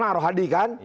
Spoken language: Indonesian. panitra rohadi kan